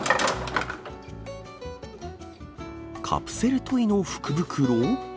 カプセルトイの福袋？